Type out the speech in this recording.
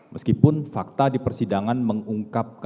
meskipun fakta di persidangan mengungkapkan